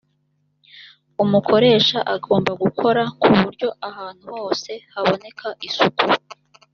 umukoresha agomba gukora ku buryo ahantuhose haboneka isuku.